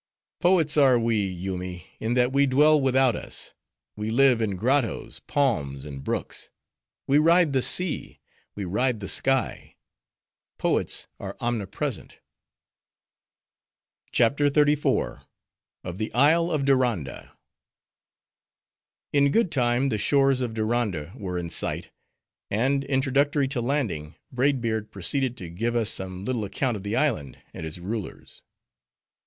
Poets are we, Yoomy, in that we dwell without us; we live in grottoes, palms, and brooks; we ride the sea, we ride the sky; poets are omnipresent." CHAPTER XXXIV. Of The Isle Of Diranda In good time the shores of Diranda were in sight. And, introductory to landing, Braid Beard proceeded to give us some little account of the island, and its rulers.